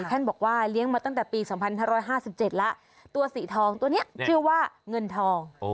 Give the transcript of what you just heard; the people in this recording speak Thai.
ท่านบอกว่าเลี้ยงมาตั้งแต่ปี๒๕๕๗แล้วตัวสีทองตัวนี้ชื่อว่าเงินทอง